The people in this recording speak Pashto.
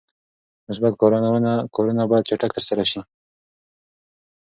مثبت کارونه باید چټک ترسره شي.